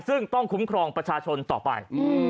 ซึ่งต้องคุ้มครองประชาชนต่อไป